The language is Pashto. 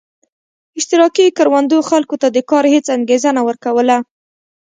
اشتراکي کروندو خلکو ته د کار هېڅ انګېزه نه ورکوله